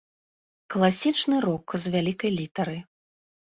Класічны рок з вялікай літары.